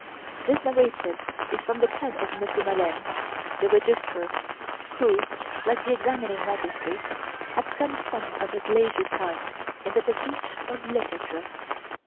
This narrative is from the pen of Monsieur Maleine, the Registrar, who, like the examining magistrate, had spent some of his leisure time in the pursuit of literature.